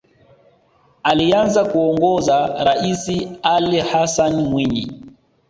Alianza kuongoza raisi Ali Hassan Mwinyi